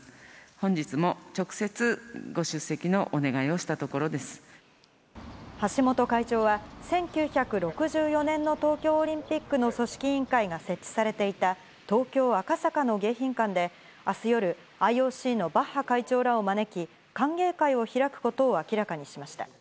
本日も直接、橋本会長は、１９６４年の東京オリンピックの組織委員会が設置されていた東京・赤坂の迎賓館で、あす夜、ＩＯＣのバッハ会長らを招き、歓迎会を開くことを明らかにしました。